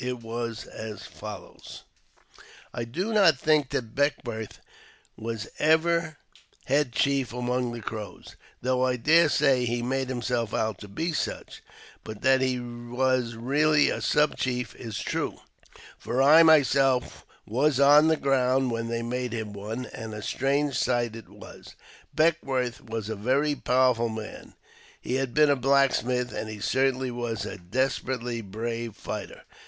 It was as follows :—" I do not think that Beckwourth was ever head chief among the Crows, though I dare say he made himself out to be such ; but that he was really a sub chief is true, for I myself was on the ground when they made him one — and a strange sight it was. Beckwourth was a very powerful man — he had been a blacksmith — and he certainly was a desperately brave fighter.